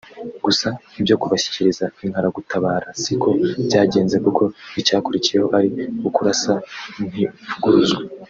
Gusa ibyo kubashyikiriza inkaragutabara si ko byagenze kuko icyakurikiyeho ari ukurasa Ntivuguruzwa